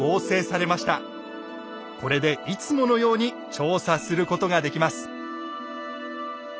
これでいつものように調査することができます！